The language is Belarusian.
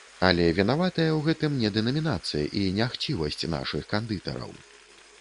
Але вінаватая ў гэтым не дэнамінацыя і не хцівасць нашых кандытараў.